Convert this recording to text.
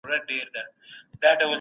د زده کړي حق له هر چا سره دی.